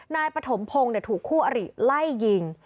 นายปฐมพงศ์ถูกคู่อริไล่ยิง